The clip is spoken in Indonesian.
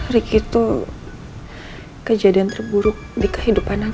ricky tuh kejadian terburuk di kehidupan aku sayang